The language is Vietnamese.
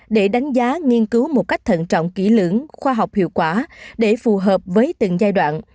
để đánh giá nghiên cứu một cách thận trọng kỹ lưỡng khoa học hiệu quả để phù hợp với từng giai đoạn